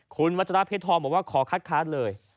คุณวัฒระเพชรทอบบอกว่าขอคัดเลย